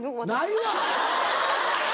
ないわ！